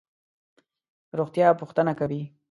د روغتیا پوښتنه کوي.